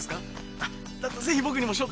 だだったらぜひ僕にも紹介を。